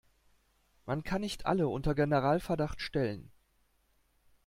Man kann nicht alle unter Generalverdacht stellen.